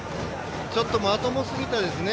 ちょっとまともすぎたですね。